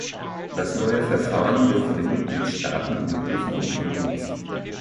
Das neue Verfahren wird von den Mitgliedstaaten in großem Umfang genutzt.